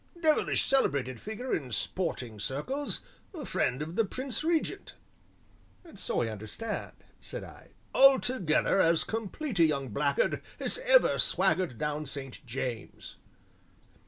Devilish celebrated figure in 'sporting circles,' friend of the Prince Regent " "So I understand," said I. "Altogether as complete a young blackguard as ever swaggered down St. James's."